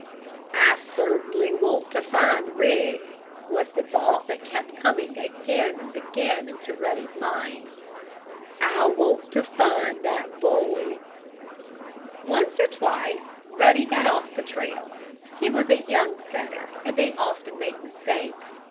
"I certainly want to find Rick," was the thought that kept coming again and again into Ruddy's mind. "I want to find that Boy!" Once or twice Ruddy got off the trail. He was a young setter, and they often make mistakes.